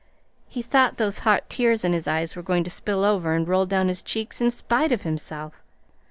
He thought those hot tears in his eyes were going to spill over and roll down his cheeks in spite of himself.